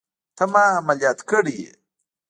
ته ما عمليات کړى يې.